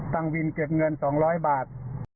ตั้งวินเก็บเงิน๒๐๐บาท